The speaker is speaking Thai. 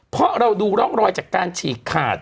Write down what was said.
เพราะเราดูร่องรอยจากการฉีกขาด